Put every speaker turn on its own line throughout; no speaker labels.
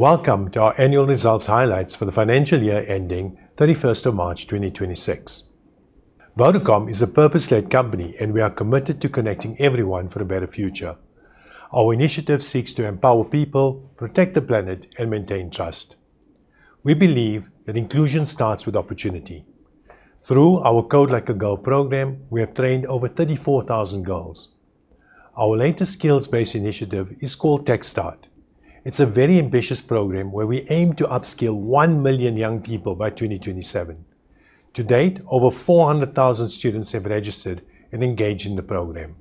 Welcome to our annual results highlights for the financial year ending March 31st, 2026. Vodacom is a purpose-led company. We are committed to connecting everyone for a better future. Our initiative seeks to empower people, protect the planet, and maintain trust. We believe that inclusion starts with opportunity. Through our Code Like a Girl program, we have trained over 34,000 girls. Our latest skills-based initiative is called TechStart. It's a very ambitious program where we aim to upskill 1 million young people by 2027. To date, over 400,000 students have registered and engaged in the program.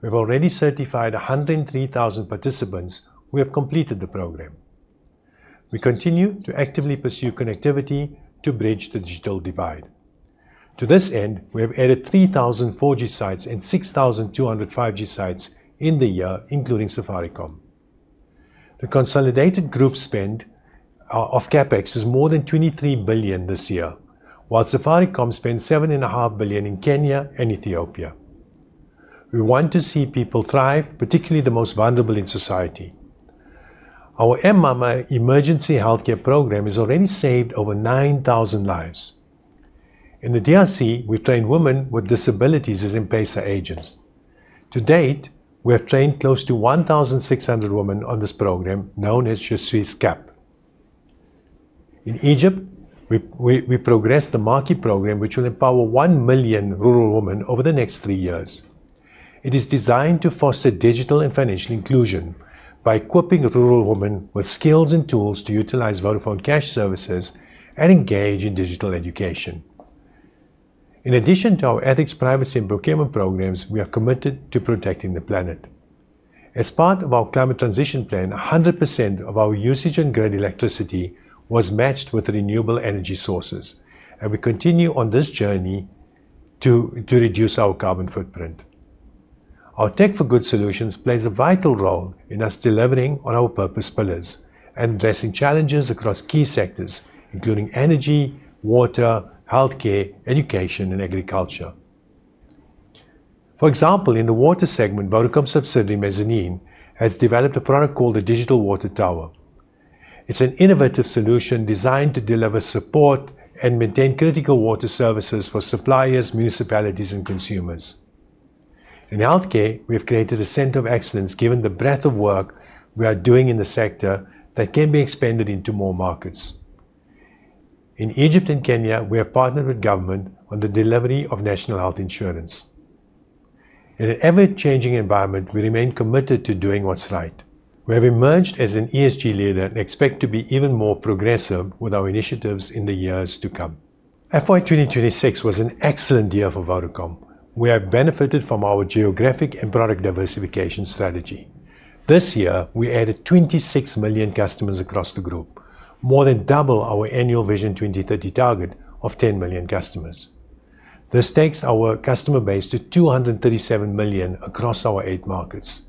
We've already certified 103,000 participants who have completed the program. We continue to actively pursue connectivity to bridge the digital divide. To this end, we have added 3,000 4G sites and 6,200 5G sites in the year, including Safaricom. The consolidated group spend of CapEx is more than 23 billion this year, while Safaricom spent 7.5 billion in Kenya and Ethiopia. We want to see people thrive, particularly the most vulnerable in society. Our m-mama emergency healthcare program has already saved over 9,000 lives. In the DRC, we've trained women with disabilities as M-Pesa agents. To date, we have trained close to 1,600 women on this program, known as Je suis Cap. In Egypt, we progressed the Maaki program, which will empower 1 million rural women over the next three years. It is designed to foster digital and financial inclusion by equipping rural women with skills and tools to utilize Vodafone Cash services and engage in digital education. In addition to our ethics, privacy, and procurement programs, we are committed to protecting the planet. As part of our climate transition plan, 100% of our usage and grid electricity was matched with renewable energy sources, and we continue on this journey to reduce our carbon footprint. Our Tech for Good solutions plays a vital role in us delivering on our purpose pillars and addressing challenges across key sectors, including energy, water, healthcare, education, and agriculture. For example, in the water segment, Vodacom subsidiary Mezzanine has developed a product called the Digital Water Tower. It's an innovative solution designed to deliver support and maintain critical water services for suppliers, municipalities, and consumers. In healthcare, we have created a center of excellence given the breadth of work we are doing in the sector that can be expanded into more markets. In Egypt and Kenya, we have partnered with government on the delivery of national health insurance. In an ever-changing environment, we remain committed to doing what's right. We have emerged as an ESG leader and expect to be even more progressive with our initiatives in the years to come. FY 2026 was an excellent year for Vodacom. We have benefited from our geographic and product diversification strategy. This year, we added 26 million customers across the group, more than double our annual Vision 2030 target of 10 million customers. This takes our customer base to 237 million across our eight markets.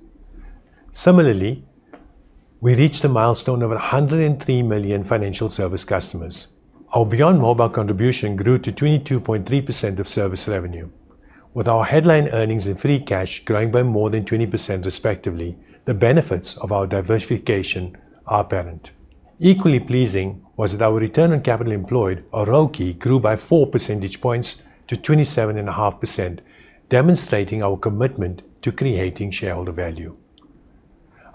Similarly, we reached a milestone of 103 million financial service customers. Our beyond mobile contribution grew to 22.3% of service revenue. With our headline earnings and free cash growing by more than 20% respectively, the benefits of our diversification are apparent. Equally pleasing was that our return on capital employed, or ROCE, grew by 4 percentage points to 27.5%, demonstrating our commitment to creating shareholder value.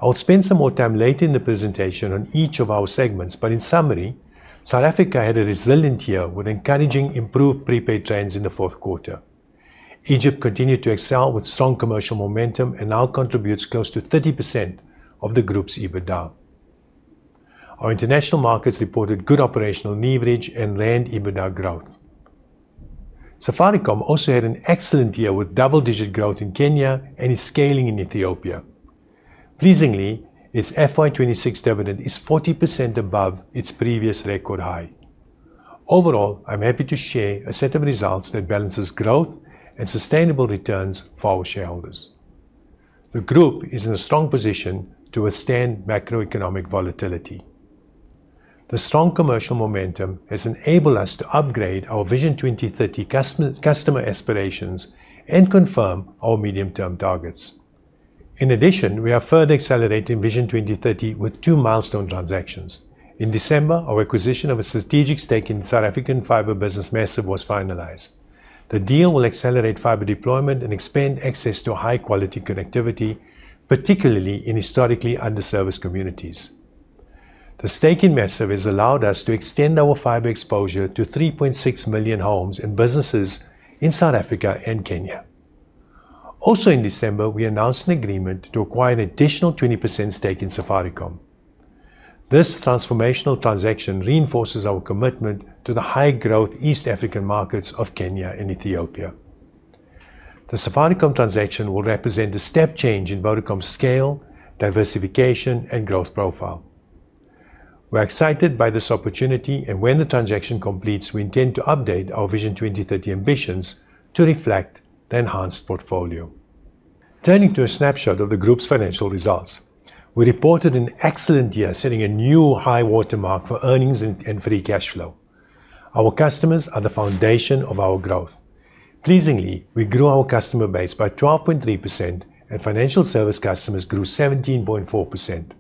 I'll spend some more time later in the presentation on each of our segments, but in summary, South Africa had a resilient year with encouraging improved prepaid trends in the fourth quarter. Egypt continued to excel with strong commercial momentum and now contributes close to 30% of the Group's EBITDA. Our international markets reported good operational leverage and rand EBITDA growth. Safaricom also had an excellent year with double-digit growth in Kenya and is scaling in Ethiopia. Pleasingly, its FY 2026 dividend is 40% above its previous record high. Overall, I'm happy to share a set of results that balances growth and sustainable returns for our shareholders. The group is in a strong position to withstand macroeconomic volatility. The strong commercial momentum has enabled us to upgrade our Vision 2030 customer aspirations and confirm our medium-term targets. In addition, we are further accelerating Vision 2030 with two milestone transactions. In December, our acquisition of a strategic stake in South African fiber business Maziv was finalized. The deal will accelerate fiber deployment and expand access to high-quality connectivity, particularly in historically underserviced communities. The stake in Maziv has allowed us to extend our fiber exposure to 3.6 million homes and businesses in South Africa and Kenya. Also in December, we announced an agreement to acquire an additional 20% stake in Safaricom. This transformational transaction reinforces our commitment to the high-growth East African markets of Kenya and Ethiopia. The Safaricom transaction will represent a step change in Vodacom's scale, diversification, and growth profile. We're excited by this opportunity. When the transaction completes, we intend to update our Vision 2030 ambitions to reflect the enhanced portfolio. Turning to a snapshot of the group's financial results. We reported an excellent year setting a new high watermark for earnings and free cash flow. Our customers are the foundation of our growth. Pleasingly, we grew our customer base by 12.3% and financial service customers grew 17.4%.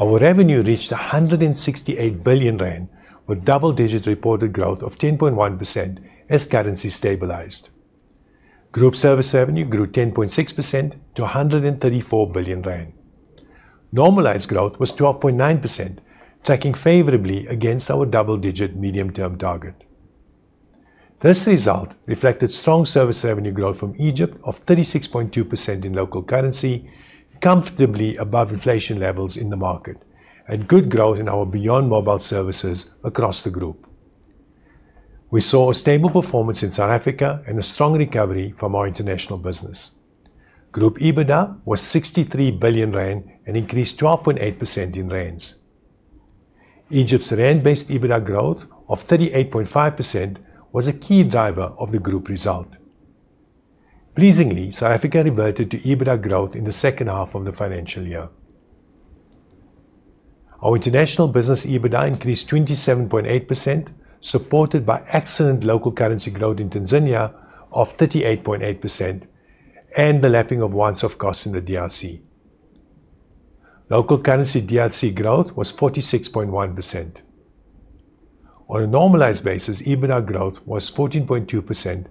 Our revenue reached 168 billion rand with double-digits reported growth of 10.1% as currency stabilized. Group service revenue grew 10.6% to 134 billion rand. Normalized growth was 12.9%, tracking favorably against our double-digit medium-term target. This result reflected strong service revenue growth from Egypt of 36.2% in local currency, comfortably above inflation levels in the market and good growth in our beyond mobile services across the group. We saw a stable performance in South Africa and a strong recovery from our international business. Group EBITDA was 63 billion rand and increased 12.8% in rand. Egypt's rand-based EBITDA growth of 38.5% was a key driver of the group result. Pleasingly, South Africa reverted to EBITDA growth in the second half of the financial year. Our international business EBITDA increased 27.8%, supported by excellent local currency growth in Tanzania of 38.8% and the lapping of once-off costs in the DRC. Local currency DRC growth was 46.1%. On a normalized basis, EBITDA growth was 14.2%,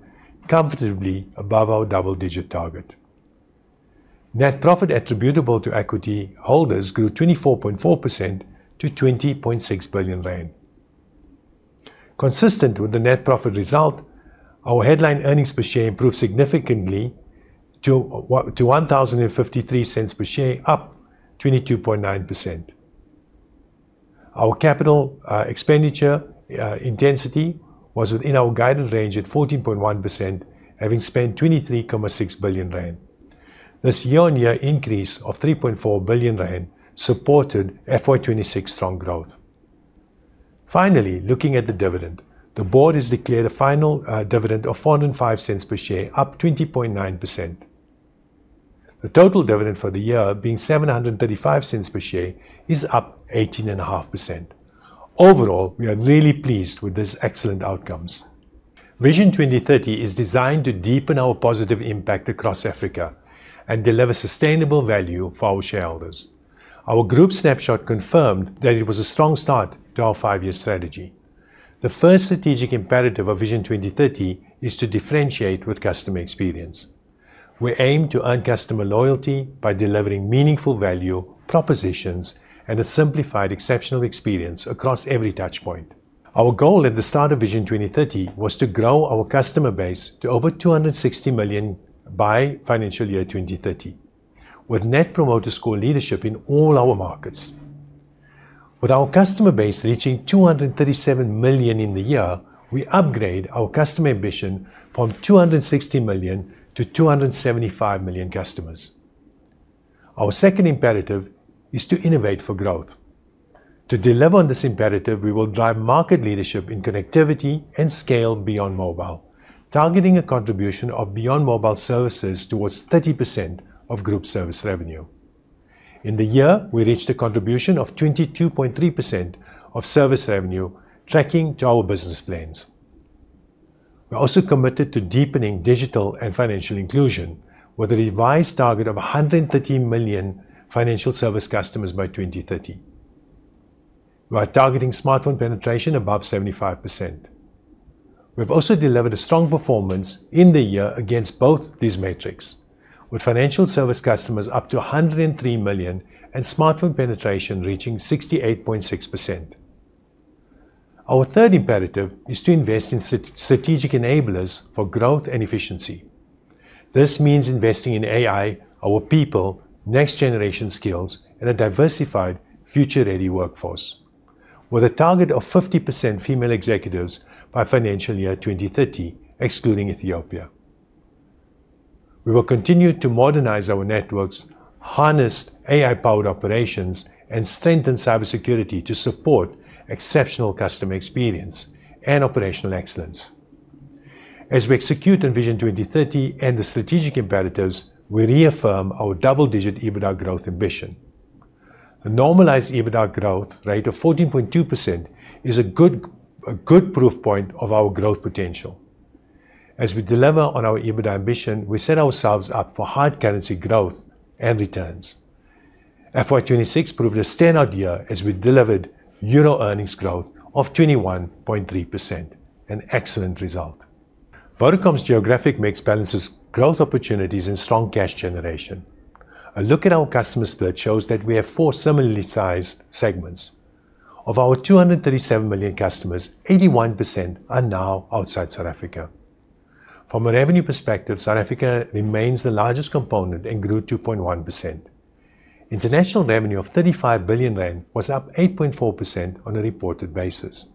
comfortably above our double-digit target. Net profit attributable to equity holders grew 24.4% to 20.6 billion rand. Consistent with the net profit result, our headline earnings per share improved significantly to 10.53 per share, up 22.9%. Our capital expenditure intensity was within our guided range at 14.1%, having spent 23.6 billion rand. This year-over-year increase of 3.4 billion rand supported FY 2026 strong growth. Finally, looking at the dividend, the board has declared a final dividend of 4.05 per share, up 20.9%. The total dividend for the year being 7.35 per share is up 18.5%. Overall, we are really pleased with these excellent outcomes. Vision 2030 is designed to deepen our positive impact across Africa and deliver sustainable value for our shareholders. Our group snapshot confirmed that it was a strong start to our five-year strategy. The first strategic imperative of Vision 2030 is to differentiate with customer experience. We aim to earn customer loyalty by delivering meaningful value propositions and a simplified, exceptional experience across every touch point. Our goal at the start of Vision 2030 was to grow our customer base to over 260 million by financial year 2030, with Net Promoter Score leadership in all our markets. With our customer base reaching 237 million in the year, we upgrade our customer ambition from 260 million to 275 million customers. Our second imperative is to innovate for growth. To deliver on this imperative, we will drive market leadership in connectivity and scale beyond mobile, targeting a contribution of beyond mobile services towards 30% of group service revenue. In the year, we reached a contribution of 22.3% of service revenue tracking to our business plans. We are also committed to deepening digital and financial inclusion with a revised target of 130 million financial service customers by 2030. We are targeting smartphone penetration above 75%. We've also delivered a strong performance in the year against both these metrics, with financial service customers up to 103 million and smartphone penetration reaching 68.6%. Our third imperative is to invest in strategic enablers for growth and efficiency. This means investing in AI, our people, next generation skills and a diversified future-ready workforce with a target of 50% female executives by FY 2030, excluding Ethiopia. We will continue to modernize our networks, harness AI-powered operations and strengthen cybersecurity to support exceptional customer experience and operational excellence. As we execute on Vision 2030 and the strategic imperatives, we reaffirm our double-digit EBITDA growth ambition. A normalized EBITDA growth rate of 14.2% is a good proof point of our growth potential. As we deliver on our EBITDA ambition, we set ourselves up for hard currency growth and returns. FY 2026 proved a standout year as we delivered euro earnings growth of 21.3%, an excellent result. Vodacom's geographic mix balances growth opportunities and strong cash generation. A look at our customer split shows that we have four similarly sized segments. Of our 237 million customers, 81% are now outside South Africa. From a revenue perspective, South Africa remains the largest component and grew 2.1%. International revenue of 35 billion rand was up 8.4% on a reported basis,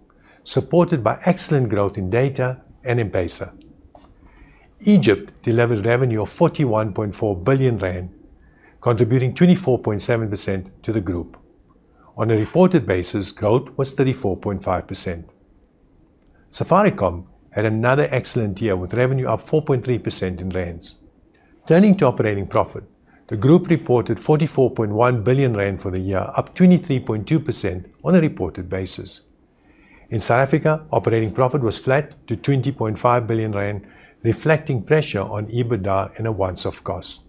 supported by excellent growth in data and M-Pesa. Egypt delivered revenue of 41.4 billion rand, contributing 24.7% to the Group. On a reported basis, growth was 34.5%. Safaricom had another excellent year with revenue up 4.3% in rands. Turning to operating profit, the group reported 44.1 billion rand for the year, up 23.2% on a reported basis. In South Africa, operating profit was flat to 20.5 billion rand, reflecting pressure on EBITDA and a once-off cost.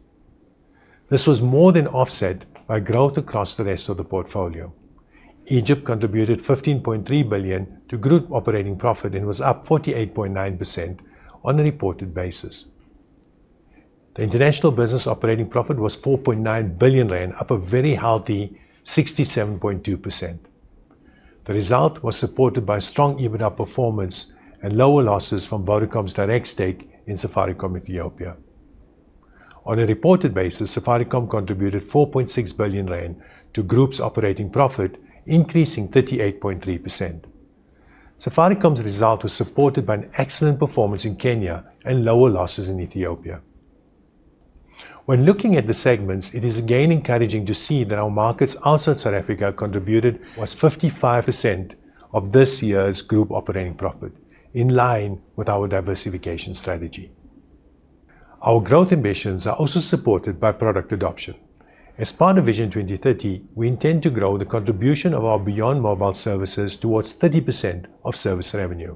This was more than offset by growth across the rest of the portfolio. Egypt contributed 15.3 billion to group operating profit and was up 48.9% on a reported basis. The international business operating profit was 4.9 billion rand, up a very healthy 67.2%. The result was supported by strong EBITDA performance and lower losses from Vodacom's direct stake in Safaricom Ethiopia. On a reported basis, Safaricom contributed 4.6 billion rand to groups operating profit, increasing 38.3%. Safaricom's result was supported by an excellent performance in Kenya and lower losses in Ethiopia. When looking at the segments, it is again encouraging to see that our markets outside South Africa contributed 55% of this year's group operating profit, in line with our diversification strategy. Our growth ambitions are also supported by product adoption. As part of Vision 2030, we intend to grow the contribution of our beyond mobile services towards 30% of service revenue.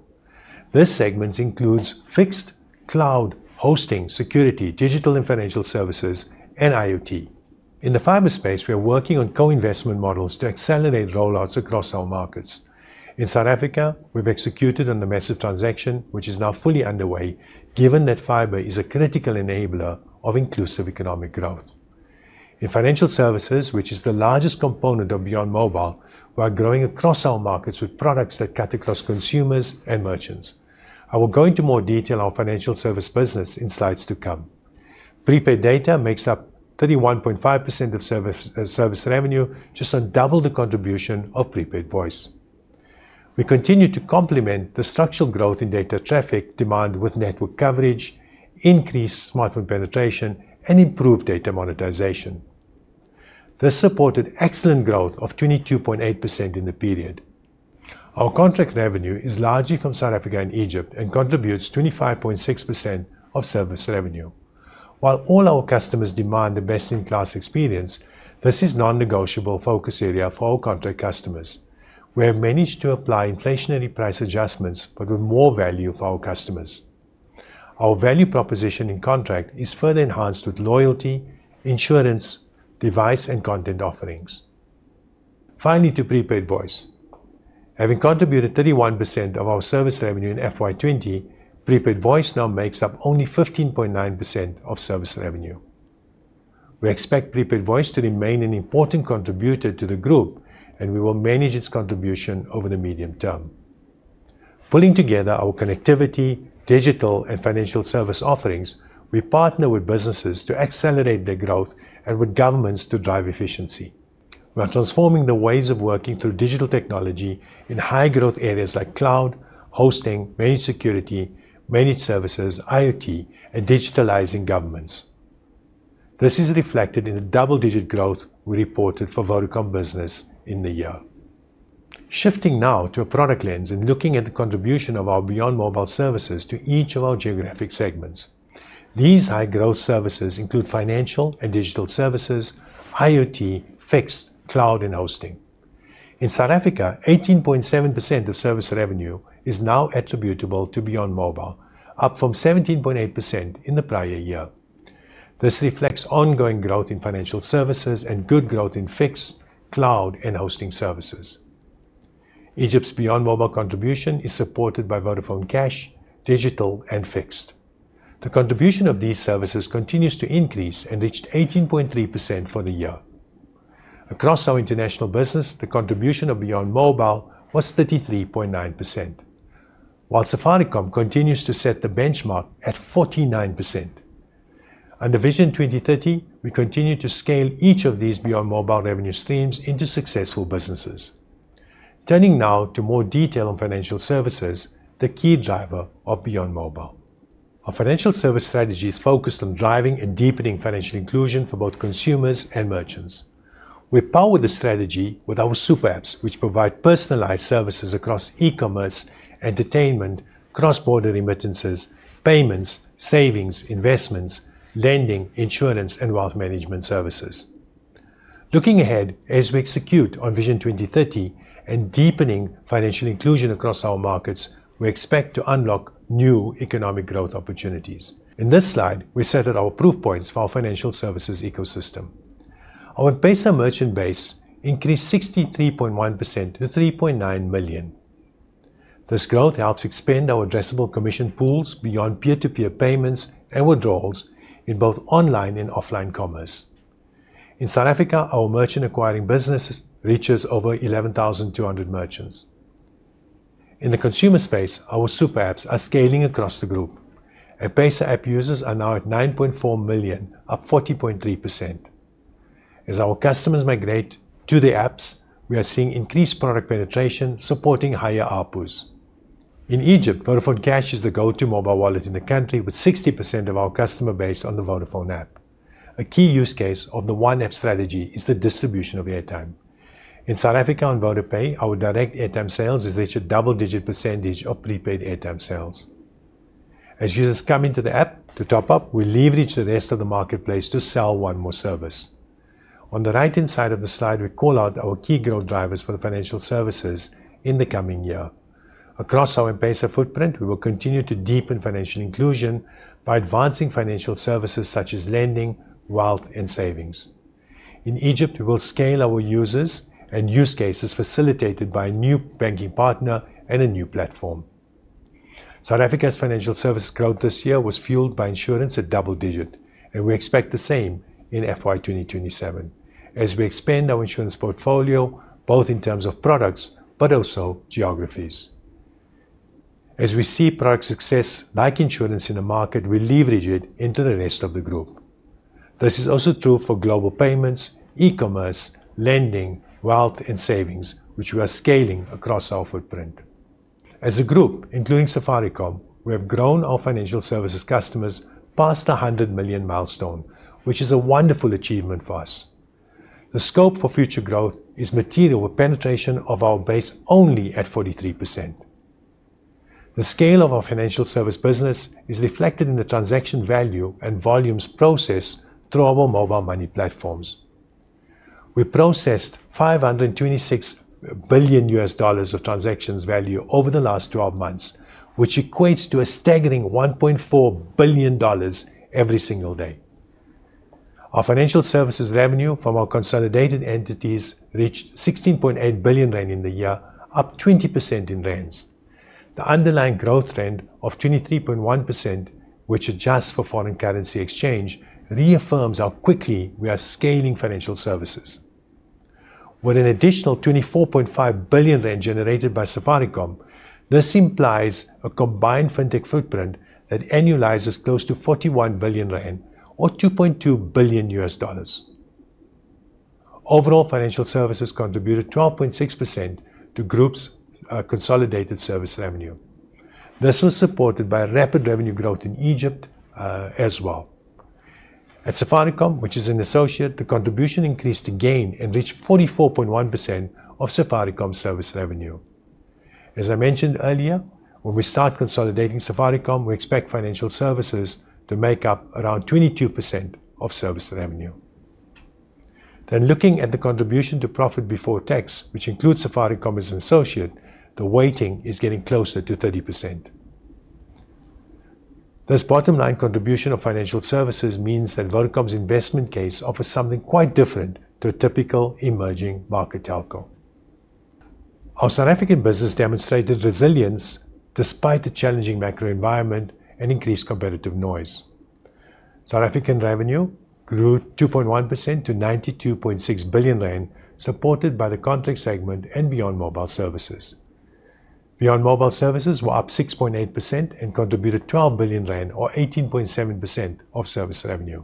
This segment includes fixed cloud hosting, security, digital and financial services, and IoT. In the fiber space, we are working on co-investment models to accelerate rollouts across our markets. In South Africa, we've executed on the Maziv transaction, which is now fully underway, given that fiber is a critical enabler of inclusive economic growth. In financial services, which is the largest component of beyond mobile, we are growing across our markets with products that cut across consumers and merchants. I will go into more detail on financial service business in slides to come. Prepaid data makes up 31.5% of service revenue, just on double the contribution of prepaid voice. We continue to complement the structural growth in data traffic demand with network coverage, increased smartphone penetration, and improved data monetization. This supported excellent growth of 22.8% in the period. Our contract revenue is largely from South Africa and Egypt and contributes 25.6% of service revenue. While all our customers demand the best-in-class experience, this is non-negotiable focus area for our contract customers. We have managed to apply inflationary price adjustments, but with more value for our customers. Our value proposition in contract is further enhanced with loyalty, insurance, device, and content offerings. Finally, to prepaid voice. Having contributed 31% of our service revenue in FY 2020, prepaid voice now makes up only 15.9% of service revenue. We expect prepaid voice to remain an important contributor to the group, and we will manage its contribution over the medium term. Pulling together our connectivity, digital, and financial service offerings, we partner with businesses to accelerate their growth and with governments to drive efficiency. We are transforming the ways of working through digital technology in high growth areas like cloud, hosting, managed security, managed services, IoT, and digitalizing governments. This is reflected in the double-digit growth we reported for Vodacom Business in the year. Shifting now to a product lens and looking at the contribution of our beyond mobile services to each of our geographic segments. These high-growth services include financial and digital services, IoT, fixed, cloud, and hosting. In South Africa, 18.7% of service revenue is now attributable to beyond mobile, up from 17.8% in the prior year. This reflects ongoing growth in financial services and good growth in fixed, cloud, and hosting services. Egypt's beyond mobile contribution is supported by Vodafone Cash, digital, and fixed. The contribution of these services continues to increase and reached 18.3% for the year. Across our international business, the contribution of beyond mobile was 33.9%, while Safaricom continues to set the benchmark at 49%. Under Vision 2030, we continue to scale each of these beyond mobile revenue streams into successful businesses. Turning now to more detail on financial services, the key driver of beyond mobile. Our financial service strategy is focused on driving and deepening financial inclusion for both consumers and merchants. We power the strategy with our super apps, which provide personalized services across e-commerce, entertainment, cross-border remittances, payments, savings, investments, lending, insurance, and wealth management services. Looking ahead, as we execute on Vision 2030 and deepening financial inclusion across our markets, we expect to unlock new economic growth opportunities. In this slide, we set out our proof points for our financial services ecosystem. Our M-Pesa merchant base increased 63.1% to 3.9 million. This growth helps expand our addressable commission pools beyond peer-to-peer payments and withdrawals in both online and offline commerce. In South Africa, our merchant acquiring business reaches over 11,200 merchants. In the consumer space, our super apps are scaling across the group. M-Pesa app users are now at 9.4 million, up 14.3%. As our customers migrate to the apps, we are seeing increased product penetration supporting higher ARPU. In Egypt, Vodafone Cash is the go-to mobile wallet in the country with 60% of our customer base on the Vodafone app. A key use case of the one app strategy is the distribution of airtime. In South Africa on VodaPay, our direct airtime sales is actually a double-digit percentage of prepaid airtime sales. As users come into the app to top up, we leverage the rest of the marketplace to sell one more service. On the right-hand side of the slide, we call out our key growth drivers for the financial services in the coming year. Across our M-Pesa footprint, we will continue to deepen financial inclusion by advancing financial services such as lending, wealth, and savings. In Egypt, we will scale our users and use cases facilitated by a new banking partner and a new platform. South Africa's financial service growth this year was fueled by insurance at double-digit, and we expect the same in FY 2027 as we expand our insurance portfolio both in terms of products but also geographies. As we see product success like insurance in the market, we leverage it into the rest of the Group. This is also true for global payments, e-commerce, lending, wealth, and savings, which we are scaling across our footprint. As a Group, including Safaricom, we have grown our financial services customers past the 100 million milestone, which is a wonderful achievement for us. The scope for future growth is material with penetration of our base only at 43%. The scale of our financial service business is reflected in the transaction value and volumes processed through our mobile money platforms. We processed $526 billion of transactions value over the last 12 months, which equates to a staggering $1.4 billion every single day. Our financial services revenue from our consolidated entities reached 16.8 billion rand in the year, up 20% in ZAR. The underlying growth trend of 23.1%, which adjusts for foreign currency exchange, reaffirms how quickly we are scaling financial services. With an additional 24.5 billion rand generated by Safaricom, this implies a combined fintech footprint that annualizes close to 41 billion rand or $2.2 billion. Overall, financial services contributed 12.6% to Group's consolidated service revenue. This was supported by rapid revenue growth in Egypt as well. At Safaricom, which is an associate, the contribution increased again and reached 44.1% of Safaricom's service revenue. As I mentioned earlier, when we start consolidating Safaricom, we expect financial services to make up around 22% of service revenue. Looking at the contribution to profit before tax, which includes Safaricom as an associate, the weighting is getting closer to 30%. This bottom-line contribution of financial services means that Vodacom's investment case offers something quite different to a typical emerging market telco. Our South African business demonstrated resilience despite the challenging macro environment and increased competitive noise. South African revenue grew 2.1% to 92.6 billion rand, supported by the contract segment and beyond mobile services. beyond mobile services were up 6.8% and contributed 12 billion rand or 18.7% of service revenue.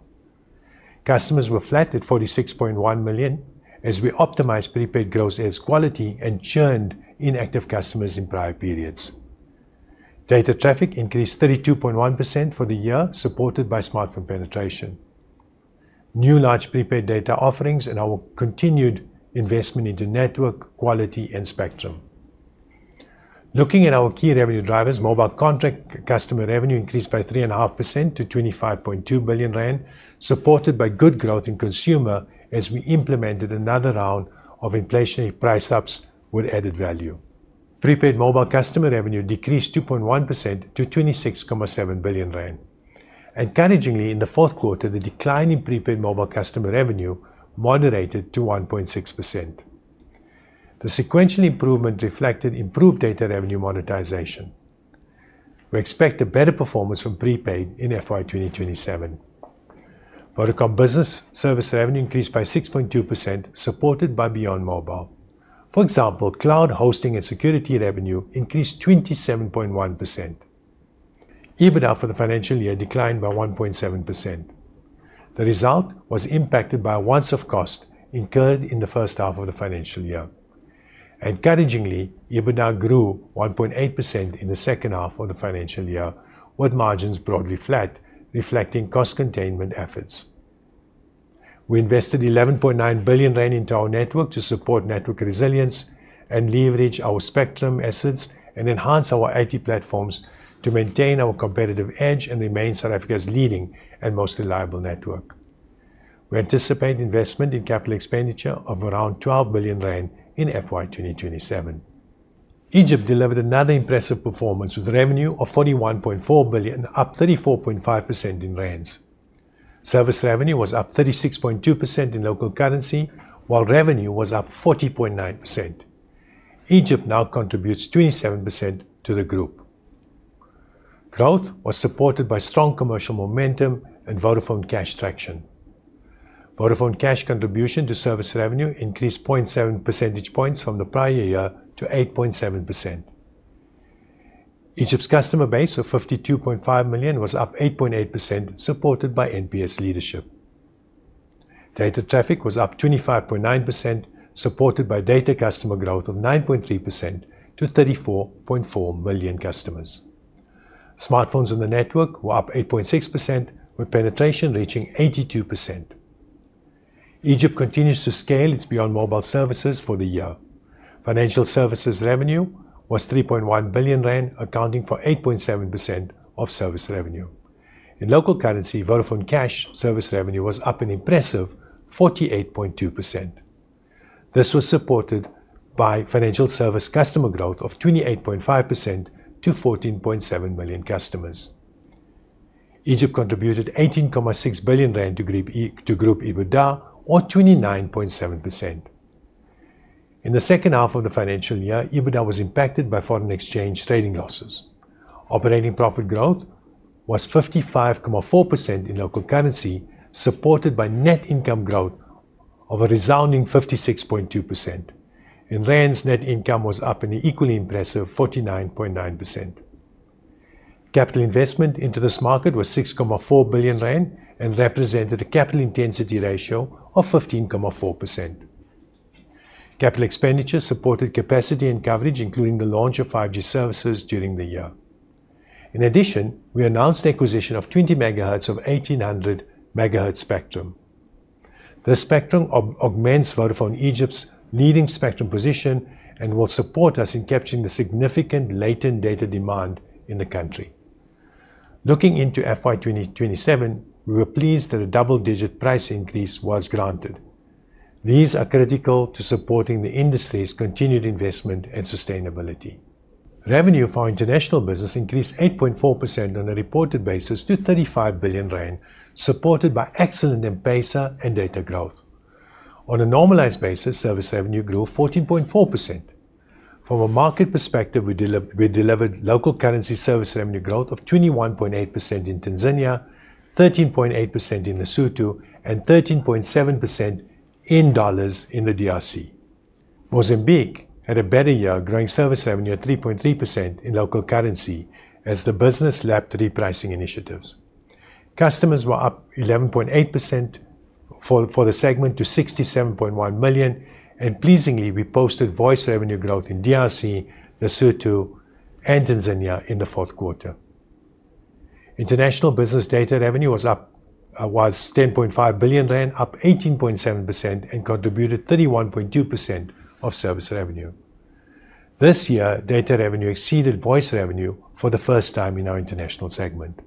Customers were flat at 46.1 million as we optimized prepaid gross sales quality and churned inactive customers in prior periods. Data traffic increased 32.1% for the year, supported by smartphone penetration, new large prepaid data offerings, and our continued investment into network quality and spectrum. Looking at our key revenue drivers, mobile contract customer revenue increased by 3.5% to 25.2 billion rand, supported by good growth in consumer as we implemented another round of inflationary price ups with added value. Prepaid mobile customer revenue decreased 2.1% to 26.7 billion rand. Encouragingly, in the fourth quarter, the decline in prepaid mobile customer revenue moderated to 1.6%. The sequential improvement reflected improved data revenue monetization. We expect a better performance from prepaid in FY 2027. Vodacom Business service revenue increased by 6.2%, supported by beyond mobile. For example, cloud hosting and security revenue increased 27.1%. EBITDA for the financial year declined by 1.7%. The result was impacted by a once-off cost incurred in the first half of the financial year. Encouragingly, EBITDA grew 1.8% in the second half of the financial year, with margins broadly flat, reflecting cost containment efforts. We invested 11.9 billion rand into our network to support network resilience and leverage our spectrum assets and enhance our IT platforms to maintain our competitive edge and remain South Africa's leading and most reliable network. We anticipate investment in capital expenditure of around 12 billion rand in FY 2027. Egypt delivered another impressive performance with revenue of 41.4 billion, up 34.5% in ZAR. Service revenue was up 36.2% in local currency, while revenue was up 40.9%. Egypt now contributes 27% to the group. Growth was supported by strong commercial momentum and Vodafone Cash traction. Vodafone Cash contribution to service revenue increased 0.7 percentage points from the prior year to 8.7%. Egypt's customer base of 52.5 million was up 8.8%, supported by NPS leadership. Data traffic was up 25.9%, supported by data customer growth of 9.3% to 34.4 million customers. Smartphones on the network were up 8.6% with penetration reaching 82%. Egypt continues to scale its beyond mobile services for the year. Financial services revenue was 3.1 billion rand, accounting for 8.7% of service revenue. In local currency, Vodafone Cash service revenue was up an impressive 48.2%. This was supported by financial service customer growth of 28.5% to 14.7 million customers. Egypt contributed 18.6 billion rand to Group EBITDA or 29.7%. In the second half of the financial year, EBITDA was impacted by foreign exchange trading losses. Operating profit growth was 55.4% in local currency, supported by net income growth of a resounding 56.2%. In rands, net income was up an equally impressive 49.9%. Capital investment into this market was 6.4 billion rand and represented a capital intensity ratio of 15.4%. Capital expenditure supported capacity and coverage, including the launch of 5G services during the year. In addition, we announced the acquisition of 20 MHz of 1800 MHz spectrum. This spectrum augments Vodafone Egypt's leading spectrum position and will support us in capturing the significant latent data demand in the country. Looking into FY 2027, we were pleased that a double-digit price increase was granted. These are critical to supporting the industry's continued investment and sustainability. Revenue for our international business increased 8.4% on a reported basis to 35 billion rand, supported by excellent M-Pesa and data growth. On a normalized basis, service revenue grew 14.4%. From a market perspective, we delivered local currency service revenue growth of 21.8% in Tanzania, 13.8% in Lesotho, and 13.7% in USD in the DRC. Mozambique had a better year, growing service revenue at 3.3% in local currency as the business lapped repricing initiatives. Customers were up 11.8% for the segment to 67.1 million, and pleasingly, we posted voice revenue growth in DRC, Lesotho, and Tanzania in the fourth quarter. International business data revenue was up, was 10.5 billion rand, up 18.7%, and contributed 31.2% of service revenue. This year, data revenue exceeded voice revenue for the first time in our international segment.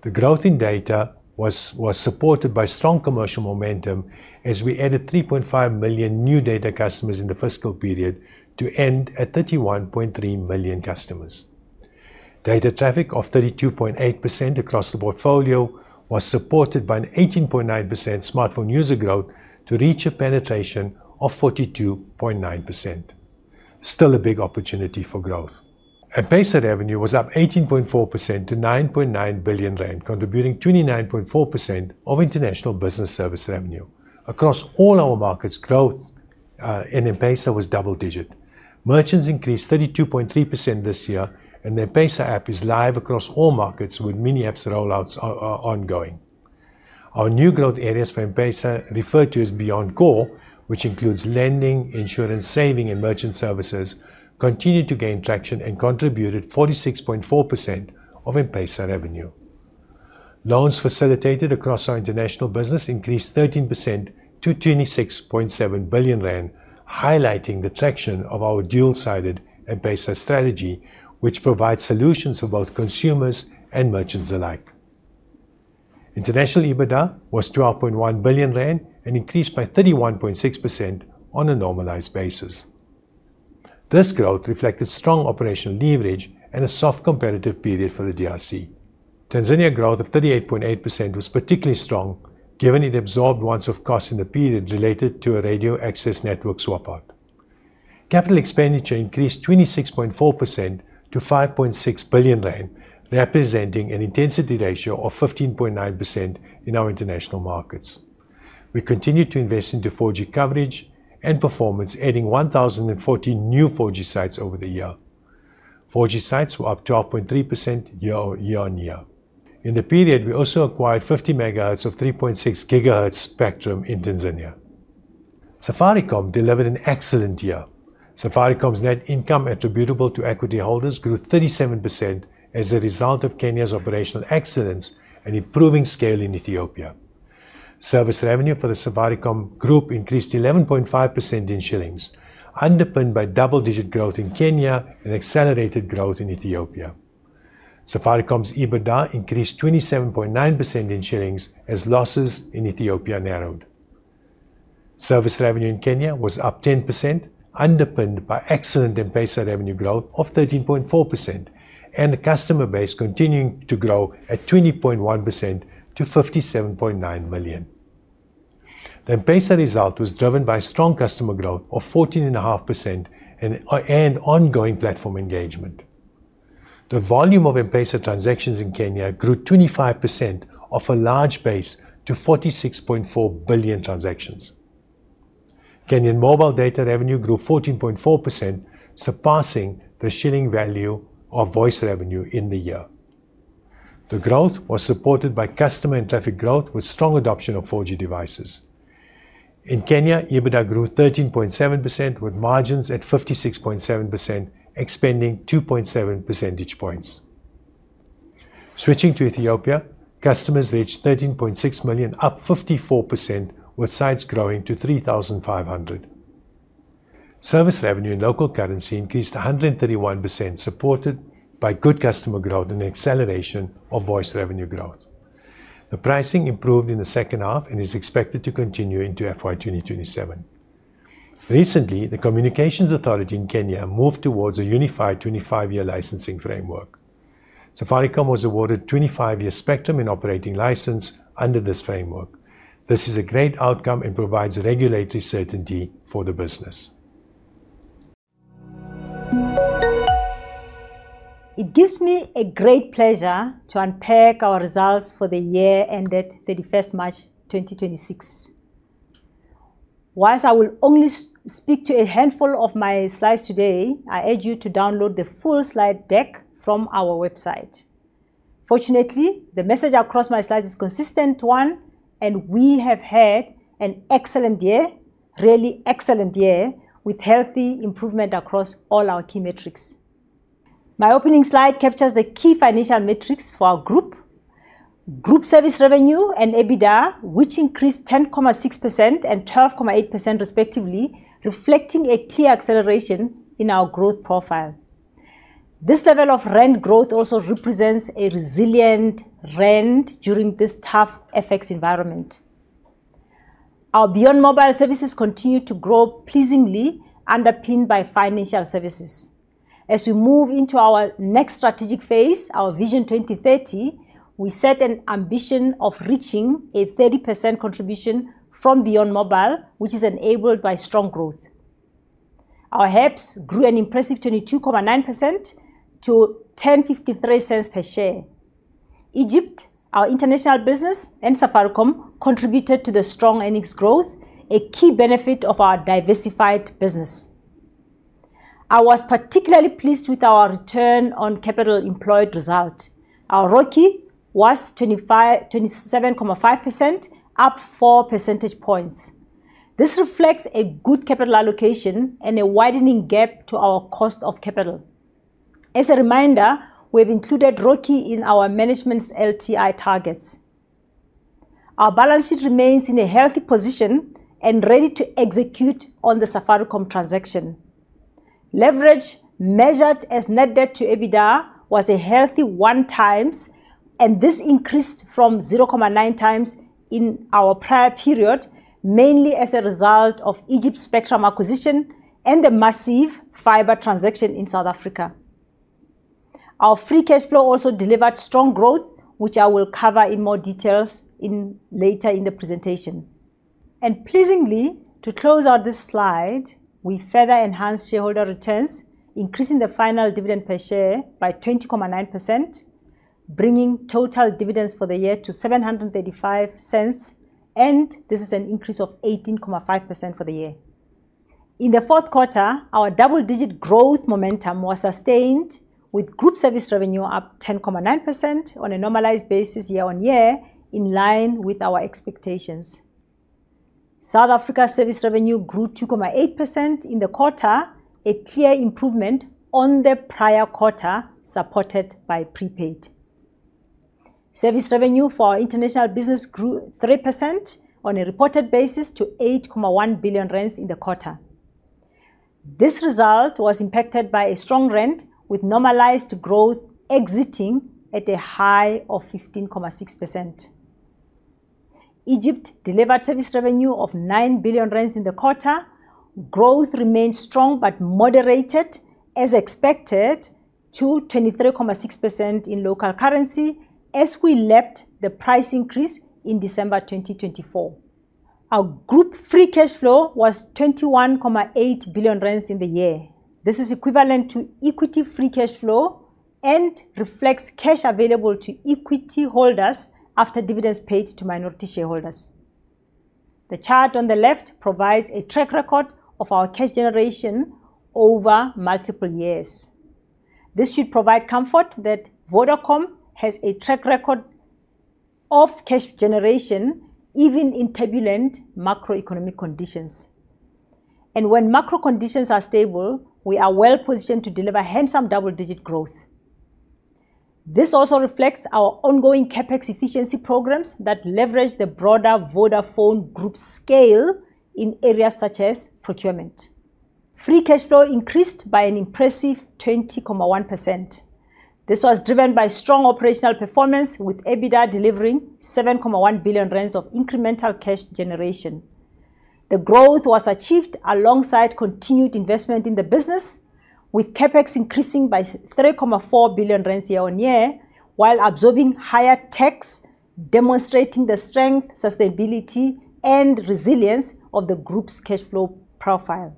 The growth in data was supported by strong commercial momentum as we added 3.5 million new data customers in the fiscal period to end at 31.3 million customers. Data traffic of 32.8% across the portfolio was supported by an 18.9% smartphone user growth to reach a penetration of 42.9%. Still a big opportunity for growth. M-Pesa revenue was up 18.4% to 9.9 billion rand, contributing 29.4% of international business service revenue. Across all our markets, growth in M-Pesa was double-digit. Merchants increased 32.3% this year, and the M-Pesa app is live across all markets with mini apps rollouts are ongoing. Our new growth areas for M-Pesa referred to as beyond core, which includes lending, insurance, saving, and merchant services, continued to gain traction and contributed 46.4% of M-Pesa revenue. Loans facilitated across our international business increased 13% to 26.7 billion rand, highlighting the traction of our dual-sided M-Pesa strategy, which provides solutions for both consumers and merchants alike. International EBITDA was 12.1 billion rand and increased by 31.6% on a normalized basis. This growth reflected strong operational leverage and a soft competitive period for the DRC. Tanzania growth of 38.8% was particularly strong, given it absorbed once-off costs in the period related to a radio access network swap-out. Capital expenditure increased 26.4% to 5.6 billion rand, representing an intensity ratio of 15.9% in our international markets. We continued to invest into 4G coverage and performance, adding 1,014 new 4G sites over the year. 4G sites were up 12.3% year-on-year. In the period, we also acquired 50 MHz of 3.6 GHz spectrum in Tanzania. Safaricom delivered an excellent year. Safaricom's net income attributable to equity holders grew 37% as a result of Kenya's operational excellence and improving scale in Ethiopia. Service revenue for the Safaricom Group increased 11.5% in shillings, underpinned by double-digit growth in Kenya and accelerated growth in Ethiopia. Safaricom's EBITDA increased 27.9% in shillings as losses in Ethiopia narrowed. Service revenue in Kenya was up 10%, underpinned by excellent M-Pesa revenue growth of 13.4% and the customer base continuing to grow at 20.1% to 57.9 million. The M-Pesa result was driven by strong customer growth of 14.5% and ongoing platform engagement. The volume of M-Pesa transactions in Kenya grew 25% off a large base to 46.4 billion transactions. Kenyan mobile data revenue grew 14.4%, surpassing the KES value of voice revenue in the year. The growth was supported by customer and traffic growth with strong adoption of 4G devices. In Kenya, EBITDA grew 13.7% with margins at 56.7%, expanding 2.7 percentage points. Switching to Ethiopia, customers reached 13.6 million, up 54%, with sites growing to 3,500. Service revenue and local currency increased 131%, supported by good customer growth and acceleration of voice revenue growth. The pricing improved in the second half and is expected to continue into FY 2027. Recently, the Communications Authority of Kenya moved towards a unified 25-year licensing framework. Safaricom was awarded 25-year spectrum and operating license under this framework. This is a great outcome and provides regulatory certainty for the business.
It gives me a great pleasure to unpack our results for the year ended March 31st, 2026. Whilst I will only speak to a handful of my slides today, I urge you to download the full slide deck from our website. Fortunately, the message across my slides is consistent one, and we have had an excellent year, really excellent year, with healthy improvement across all our key metrics. My opening slide captures the key financial metrics for our group. Group service revenue and EBITDA, which increased 10.6% and 12.8% respectively, reflecting a clear acceleration in our growth profile. This level of rand growth also represents a resilient rand during this tough FX environment. Our beyond mobile services continue to grow pleasingly underpinned by financial services. As we move into our next strategic phase, our Vision 2030, we set an ambition of reaching a 30% contribution from beyond mobile, which is enabled by strong growth. Our EPS grew an impressive 22.9% to 0.1053 per share. Egypt, our international business, and Safaricom contributed to the strong earnings growth, a key benefit of our diversified business. I was particularly pleased with our return on capital employed result. Our ROCE was 27.5%, up 4 percentage points. This reflects a good capital allocation and a widening gap to our cost of capital. As a reminder, we've included ROCE in our management's LTI targets. Our balance sheet remains in a healthy position and ready to execute on the Safaricom transaction. Leverage measured as net debt-to-EBITDA was a healthy one times, and this increased from 0.9 times in our prior period, mainly as a result of Egypt's spectrum acquisition and the Maziv fiber transaction in South Africa. Our free cash flow also delivered strong growth, which I will cover in more details later in the presentation. Pleasingly, to close out this slide, we further enhanced shareholder returns, increasing the final dividend per share by 20.9%, bringing total dividends for the year to 7.35, and this is an increase of 18.5% for the year. In the fourth quarter, our double-digit growth momentum was sustained with group service revenue up 10.9% on a normalized basis year-on-year, in line with our expectations. South Africa service revenue grew 2.8% in the quarter, a clear improvement on the prior quarter supported by prepaid. Service revenue for our international business grew 3% on a reported basis to 8.1 billion rand in the quarter. This result was impacted by a strong rand with normalized growth exiting at a high of 15.6%. Egypt delivered service revenue of 9 billion rand in the quarter. Growth remained strong but moderated as expected to 23.6% in local currency as we lapped the price increase in December 2024. Our group free cash flow was 21.8 billion rand in the year. This is equivalent to equity free cash flow and reflects cash available to equity holders after dividends paid to minority shareholders. The chart on the left provides a track record of our cash generation over multiple years. This should provide comfort that Vodacom has a track record of cash generation even in turbulent macroeconomic conditions. When macro conditions are stable, we are well-positioned to deliver handsome double-digit growth. This also reflects our ongoing CapEx efficiency programs that leverage the broader Vodafone Group scale in areas such as procurement. Free cash flow increased by an impressive 20.1%. This was driven by strong operational performance with EBITDA delivering 7.1 billion rand of incremental cash generation. The growth was achieved alongside continued investment in the business, with CapEx increasing by 3.4 billion year on year while absorbing higher tax, demonstrating the strength, sustainability, and resilience of the group's cash flow profile.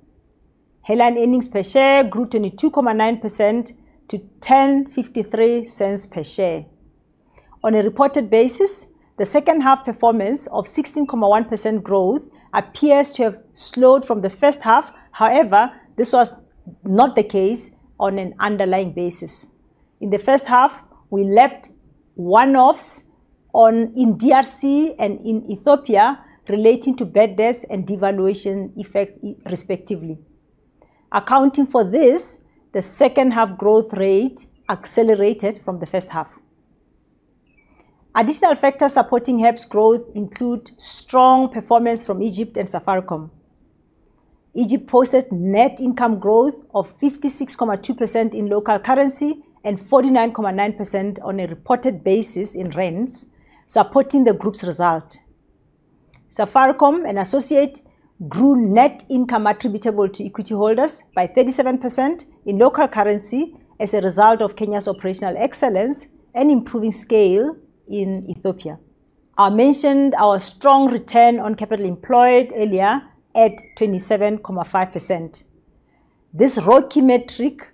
Headline earnings per share grew 22.9% to 0.1053 per share. On a reported basis, the second half performance of 16.1% growth appears to have slowed from the first half. However, this was not the case on an underlying basis. In the first half, we lapped one-offs on, in DRC and in Ethiopia relating to bad debts and devaluation effects, respectively. Accounting for this, the second half growth rate accelerated from the first half. Additional factors supporting half's growth include strong performance from Egypt and Safaricom. Egypt posted net income growth of 56.2% in local currency and 49.9% on a reported basis in ZAR, supporting the group's result. Safaricom and associate grew net income attributable to equity holders by 37% in local currency as a result of Kenya's operational excellence and improving scale in Ethiopia. I mentioned our strong return on capital employed earlier at 27.5%. This ROCE metric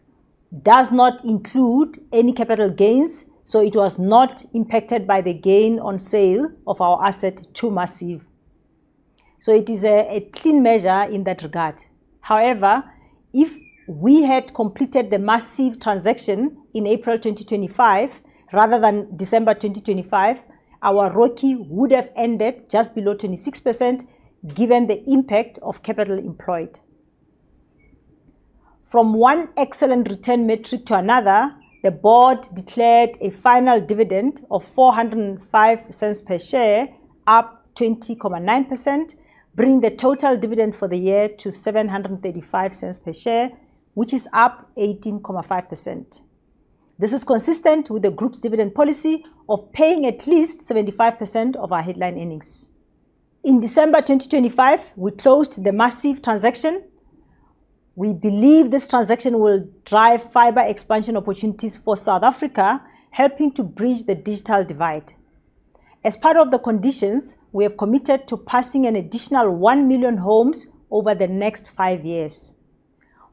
does not include any capital gains, it was not impacted by the gain on sale of our asset to Maziv. It is a clean measure in that regard. However, if we had completed the Maziv transaction in April 2025 rather than December 2025, our ROCE would have ended just below 26% given the impact of capital employed. From one excellent return metric to another, the board declared a final dividend of 4.05 per share, up 20.9%, bringing the total dividend for the year to 7.35 per share, which is up 18.5%. This is consistent with the group's dividend policy of paying at least 75% of our headline earnings. In December 2025, we closed the Maziv transaction. We believe this transaction will drive fiber expansion opportunities for South Africa, helping to bridge the digital divide. As part of the conditions, we have committed to passing an additional 1 million homes over the next five years.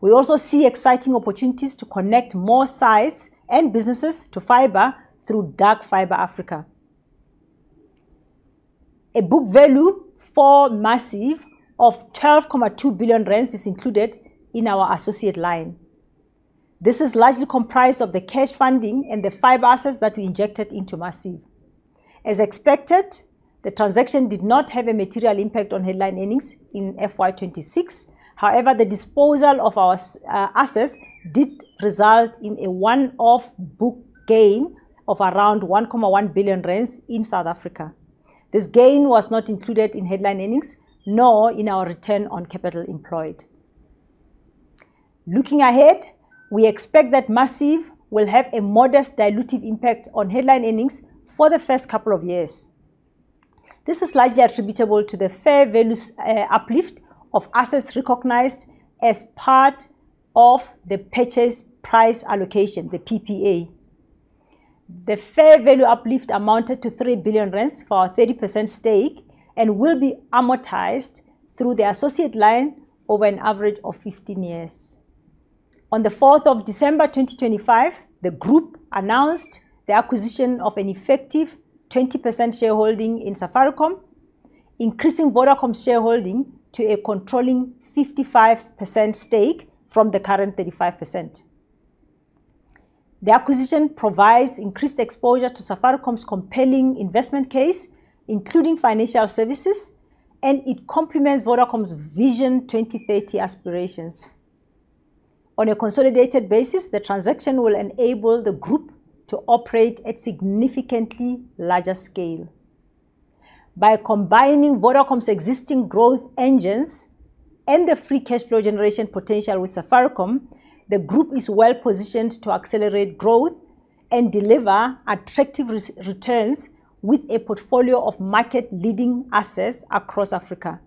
We also see exciting opportunities to connect more sites and businesses to fiber through Dark Fibre Africa. A book value for Maziv of 12.2 billion rand is included in our associate line. This is largely comprised of the cash funding and the fiber assets that we injected into Maziv. As expected, the transaction did not have a material impact on headline earnings in FY 2026. However, the disposal of our assets did result in a one-off book gain of around 1.1 billion rand in South Africa. This gain was not included in headline earnings, nor in our return on capital employed. Looking ahead, we expect that Maziv will have a modest dilutive impact on headline earnings for the first couple of years. This is largely attributable to the fair value uplift of assets recognized as part of the purchase price allocation, the PPA. The fair value uplift amounted to 3 billion for our 30% stake and will be amortized through the associate line over an average of 15 years. On the December 4th, 2025, the group announced the acquisition of an effective 20% shareholding in Safaricom, increasing Vodacom's shareholding to a controlling 55% stake from the current 35%. The acquisition provides increased exposure to Safaricom's compelling investment case, including financial services, and it complements Vodacom's Vision 2030 aspirations. On a consolidated basis, the transaction will enable the group to operate at significantly larger scale. By combining Vodacom's existing growth engines and the free cash flow generation potential with Safaricom, the group is well-positioned to accelerate growth and deliver attractive returns with a portfolio of market-leading assets across Africa.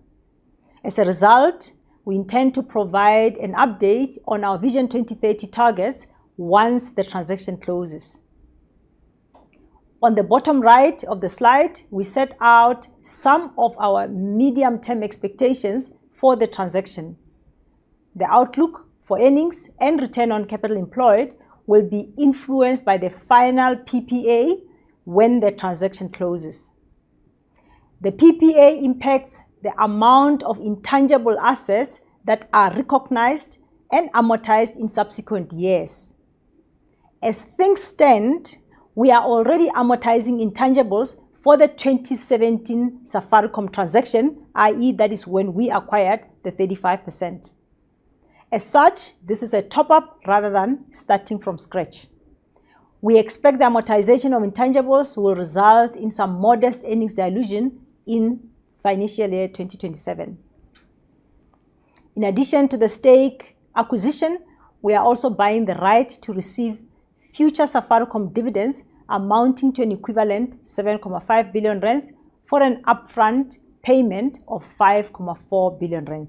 As a result, we intend to provide an update on our Vision 2030 targets once the transaction closes. On the bottom right of the slide, we set out some of our medium-term expectations for the transaction. The outlook for earnings and return on capital employed will be influenced by the final PPA when the transaction closes. The PPA impacts the amount of intangible assets that are recognized and amortized in subsequent years. As things stand, we are already amortizing intangibles for the 2017 Safaricom transaction, i.e., that is when we acquired the 35%. As such, this is a top-up rather than starting from scratch. We expect the amortization of intangibles will result in some modest earnings dilution in financial year 2027. In addition to the stake acquisition, we are also buying the right to receive future Safaricom dividends amounting to an equivalent 7.5 billion rand for an upfront payment of 5.4 billion rand.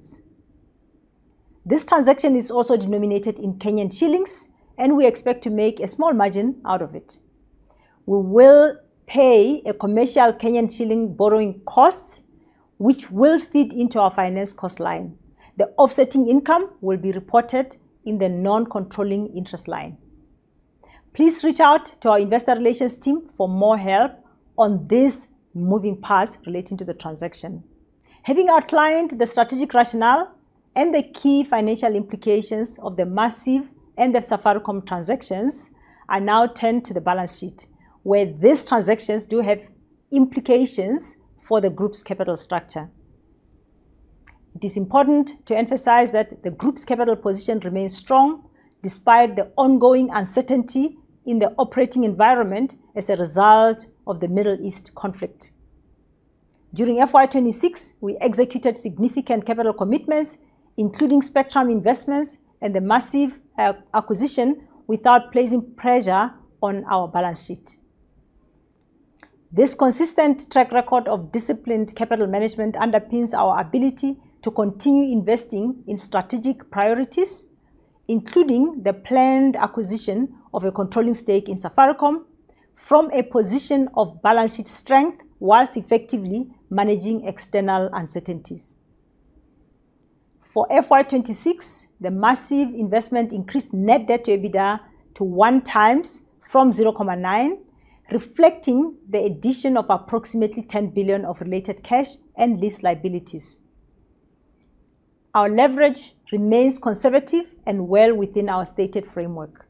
This transaction is also denominated in Kenyan shillings, and we expect to make a small margin out of it. We will pay a commercial Kenyan shilling borrowing costs, which will feed into our finance cost line. The offsetting income will be reported in the non-controlling interest line. Please reach out to our investor relations team for more help on this moving parts relating to the transaction. Having outlined the strategic rationale and the key financial implications of the Maziv and the Safaricom transactions, I now turn to the balance sheet, where these transactions do have implications for the group's capital structure. It is important to emphasize that the group's capital position remains strong despite the ongoing uncertainty in the operating environment as a result of the Middle East conflict. During FY 2026, we executed significant capital commitments, including spectrum investments and the Maziv acquisition, without placing pressure on our balance sheet. This consistent track record of disciplined capital management underpins our ability to continue investing in strategic priorities, including the planned acquisition of a controlling stake in Safaricom from a position of balance sheet strength whilst effectively managing external uncertainties. For FY 2026, the Maziv investment increased net debt-to-EBITDA to one times from 0.9, reflecting the addition of approximately 10 billion of related cash and lease liabilities. Our leverage remains conservative and well within our stated framework.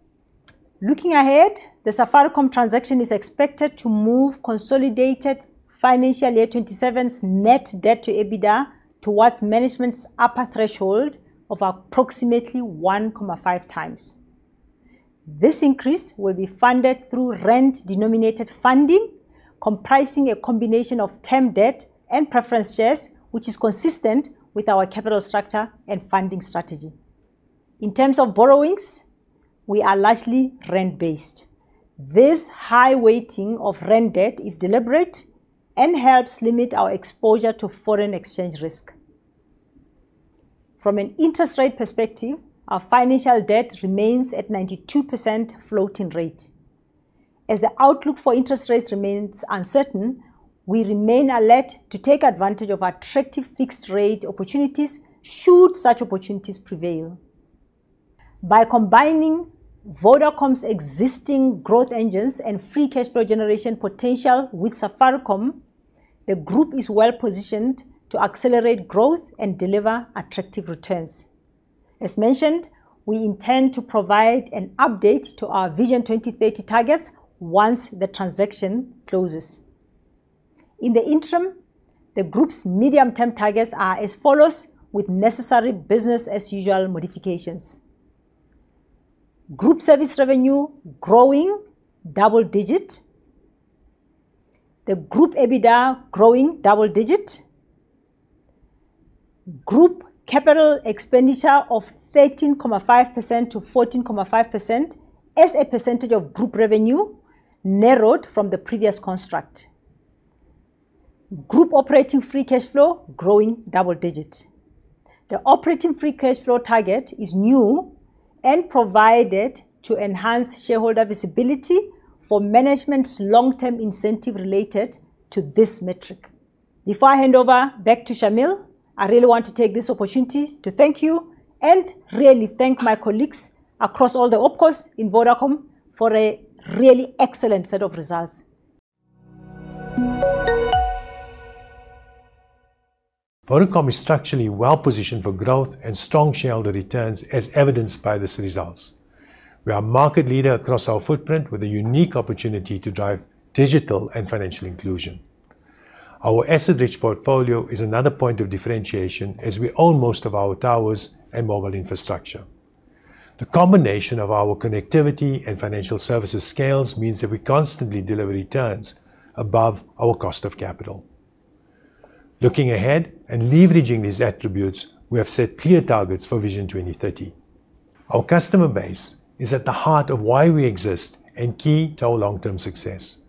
Looking ahead, the Safaricom transaction is expected to move consolidated FY 2027's net debt-to-EBITDA towards management's upper threshold of approximately 1.5 times. This increase will be funded through rand-denominated funding, comprising a combination of term debt and preference shares, which is consistent with our capital structure and funding strategy. In terms of borrowings, we are largely rand-based. This high weighting of rand debt is deliberate and helps limit our exposure to foreign exchange risk. From an interest rate perspective, our financial debt remains at 92% floating rate. As the outlook for interest rates remains uncertain, we remain alert to take advantage of attractive fixed rate opportunities should such opportunities prevail. By combining Vodacom's existing growth engines and free cash flow generation potential with Safaricom, the group is well-positioned to accelerate growth and deliver attractive returns. As mentioned, we intend to provide an update to our Vision 2030 targets once the transaction closes. In the interim, the group's medium-term targets are as follows with necessary business-as-usual modifications. Group service revenue growing double-digit. The Group EBITDA growing double-digit. Group capital expenditure of 13.5%-14.5% as a percentage of group revenue narrowed from the previous construct. Group operating free cash flow growing double-digit. The operating free cash flow target is new and provided to enhance shareholder visibility for management's long-term incentive related to this metric. Before I hand over back to Shameel, I really want to take this opportunity to thank you and really thank my colleagues across all the OpCos in Vodacom for a really excellent set of results.
Vodacom is structurally well-positioned for growth and strong shareholder returns, as evidenced by these results. We are market leader across our footprint with a unique opportunity to drive digital and financial inclusion. Our asset-rich portfolio is another point of differentiation as we own most of our towers and mobile infrastructure. The combination of our connectivity and financial services scales means that we constantly deliver returns above our cost of capital. Looking ahead and leveraging these attributes, we have set clear targets for Vision 2030. Our customer base is at the heart of why we exist and key to our long-term success.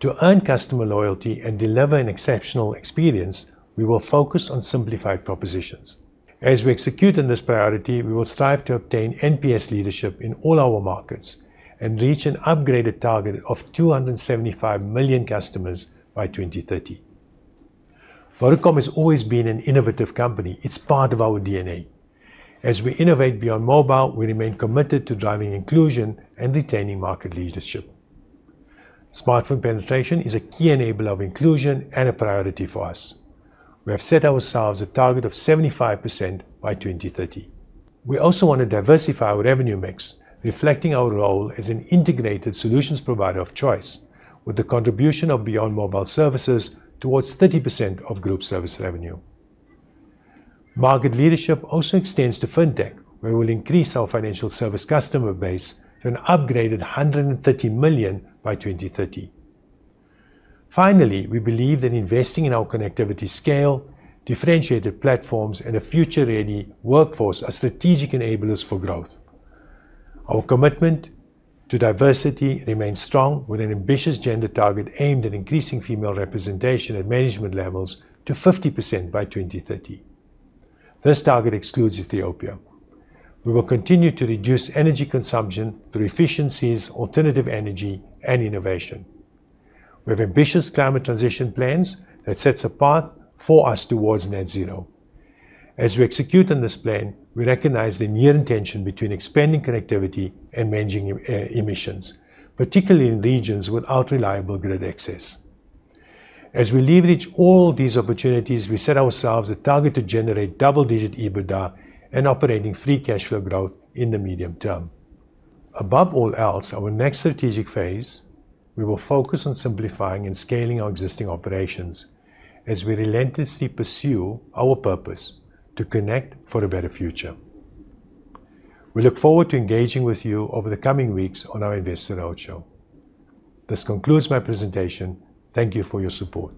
To earn customer loyalty and deliver an exceptional experience, we will focus on simplified propositions. As we execute on this priority, we will strive to obtain NPS leadership in all our markets and reach an upgraded target of 275 million customers by 2030. Vodacom has always been an innovative company. It's part of our DNA. As we innovate beyond mobile, we remain committed to driving inclusion and retaining market leadership. Smartphone penetration is a key enabler of inclusion and a priority for us. We have set ourselves a target of 75% by 2030. We also want to diversify our revenue mix, reflecting our role as an integrated solutions provider of choice, with the contribution of beyond mobile services towards 30% of group service revenue. Market leadership also extends to fintech, where we will increase our financial service customer base to an upgraded 130 million by 2030. Finally, we believe that investing in our connectivity scale, differentiated platforms, and a future-ready workforce are strategic enablers for growth. Our commitment to diversity remains strong with an ambitious gender target aimed at increasing female representation at management levels to 50% by 2030. This target excludes Ethiopia. We will continue to reduce energy consumption through efficiencies, alternative energy, and innovation. We have ambitious climate transition plans that sets a path for us towards net zero. We recognize the inherent tension between expanding connectivity and managing emissions, particularly in regions without reliable grid access. We leverage all these opportunities, we set ourselves a target to generate double-digit EBITDA and operating free cash flow growth in the medium term. Above all else, our next strategic phase, we will focus on simplifying and scaling our existing operations as we relentlessly pursue our purpose to connect for a better future. We look forward to engaging with you over the coming weeks on our Investor Roadshow. This concludes my presentation. Thank you for your support.